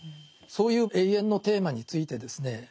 そういう永遠のテーマについてですね